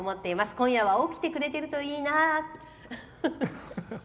今夜は起きてくれてるといいな」。